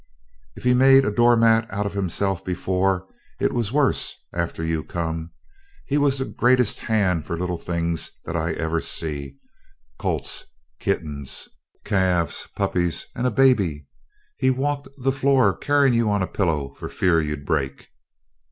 "If he made a door mat out of hisself before, it was worse after you come. He was the greatest hand for little things that ever I see colts, kittens, calves, puppies and a baby! He walked the floor carrying you on a pillow for fear you'd break.